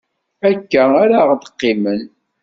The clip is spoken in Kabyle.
Akka ara ɣ-deqqimen.